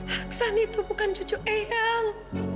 aksan itu bukan cucu eyang